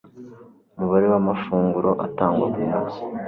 umubare wamafunguro atangwa ku munsi